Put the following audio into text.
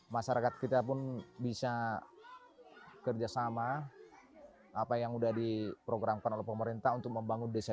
masyarakat kita pun bisa kerjasama apa yang sudah diprogramkan oleh pemerintah untuk membangun desa